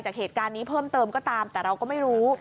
จากเหตุการณ์นี้เพิ่มเติมก็ตามแต่เราก็ไม่รู้